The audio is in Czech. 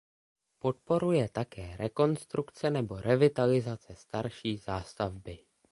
Podporuje také rekonstrukce nebo revitalizace starší zástavby.